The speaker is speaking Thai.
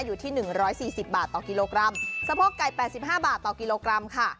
อยู่ที่๑๔๐บาทต่อกิโลกรัมสะพกไก่๘๕บาทต่อกิโลกรัมค่ะ